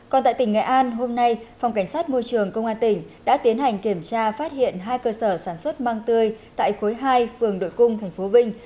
còn tại tỉnh nghệ an hôm nay phòng cảnh sát môi trường công an tỉnh đã tiến hành kiểm tra phát hiện hai cơ sở sản xuất măng tươi tại khối hai phường đội cung tp vinh